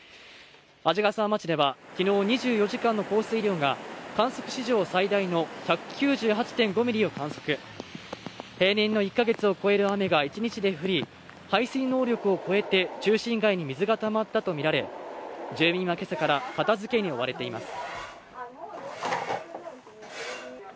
鰺ヶ沢町ではきのう２４時間の降水量が観測史上最大の１９８．５ミリを観測平年の１か月を超える雨が１日で降り排水能力を超えて中心街に水がたまったと見られ住民はけさから片づけに追われています